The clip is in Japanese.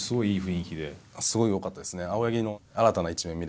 すごい良かったですね。